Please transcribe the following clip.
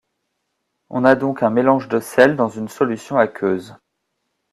On a donc un mélange de sels dans une solution aqueuse.